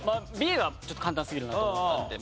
Ｂはちょっと簡単すぎるなと思ったので。